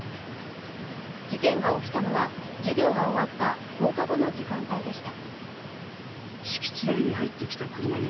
事件が起きたのは授業が終わった放課後の時間帯でした。